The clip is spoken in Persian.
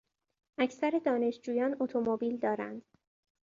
اکثر دانشجویان اتومبیل دارند.